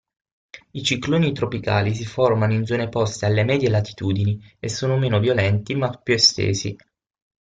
I cicloni tropicali si formano in zone poste alla medie latitudini e sono meno violenti ma più estesi.